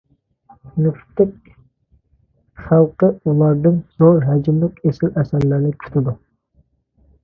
نېفىتلىك خەلقى ئۇلاردىن زور ھەجىملىك ئېسىل ئەسەرلەرنى كۈتىدۇ.